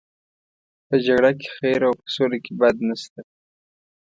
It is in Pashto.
په جګړه کې خیر او په سوله کې بد نشته.